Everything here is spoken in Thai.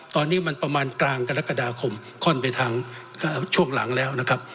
ตอนนี้มันประมาณกลางกรกฎาคมค่อนไปทางช่วงหลังแล้วนะครับ